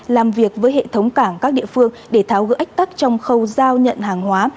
làm việc với hệ thống cảng các địa phương để tháo gỡ ách tắc trong khâu giao nhận hàng hóa